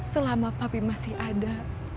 selama papih masih ada